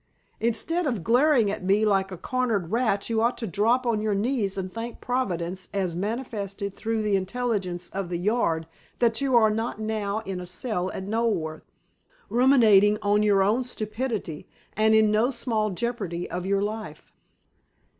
Instead of glaring at me like a cornered rat you ought to drop on your knees and thank providence, as manifested through the intelligence of the 'Yard,' that you are not now in a cell at Knoleworth, ruminating on your own stupidity, and in no small jeopardy of your life."